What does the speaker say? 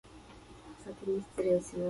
お腹が空いています